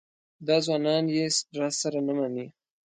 دا ځوانان یې راسره نه مني.